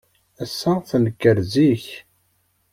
Ass-a, tenker zik.